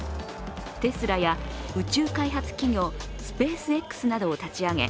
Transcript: テスラや宇宙開発企業スペースＸなどを立ち上げ